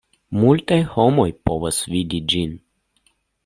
Multaj homoj povos vidi ĝin.